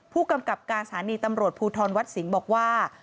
ผู้กำกับการสถานีตำรวจภูทรวัดสิงห์บอกว่า